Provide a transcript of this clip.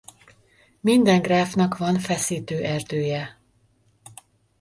Minden gráfnak van feszítő erdője.